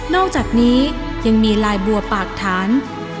อกจากนี้ยังมีลายบัวปากฐาน